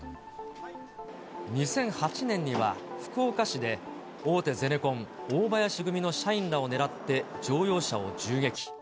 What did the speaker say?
２００８年には、福岡市で大手ゼネコン、大林組の社員らを狙って乗用車を銃撃。